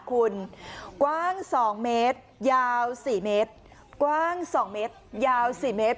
กว้าง๒เมตรยาว๔เมตร